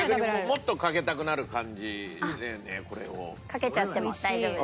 かけちゃっても大丈夫です。